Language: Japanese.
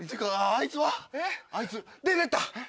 あいつは？出てった。